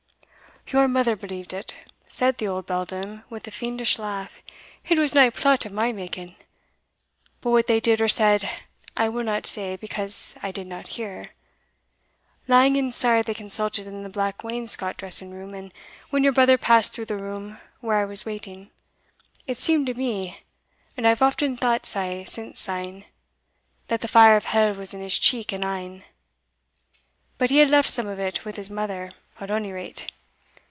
"Your mother believed it," said the old beldam with a fiendish laugh "it was nae plot of my making; but what they did or said I will not say, because I did not hear. Lang and sair they consulted in the black wainscot dressing room; and when your brother passed through the room where I was waiting, it seemed to me (and I have often thought sae since syne) that the fire of hell was in his cheek and een. But he had left some of it with his mother, at ony rate.